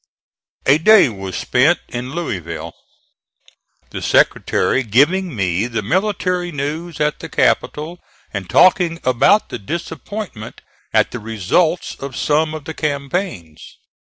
A day was spent in Louisville, the Secretary giving me the military news at the capital and talking about the disappointment at the results of some of the campaigns.